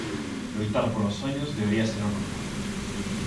Loitar polos soños debería ser o normal.